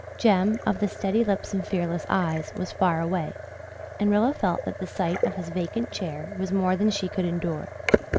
Jem, of the steady lips and fearless eyes, was far away, and Rilla felt that the sight of his vacant chair was more than she could endure.